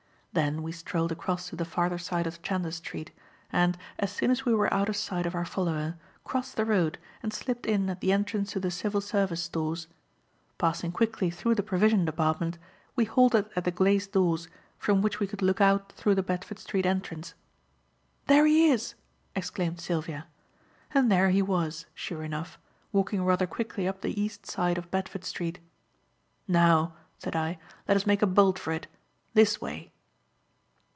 Then we strolled across to the farther side of Chandos Street, and, as soon as we were out of sight of our follower, crossed the road and slipped in at the entrance to the Civil Service Stores. Passing quickly through the provision department, we halted at the glazed doors, from which we could look out through the Bedford Street entrance. "There he is!" exclaimed Sylvia. And there he was, sure enough, walking rather quickly up the east side of Bedford Street. "Now," said I, "let us make a bolt for it. This way."